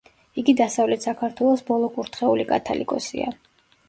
იგი დასავლეთ საქართველოს ბოლო კურთხეული კათალიკოსია.